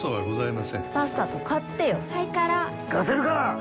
さっさと買ってよ。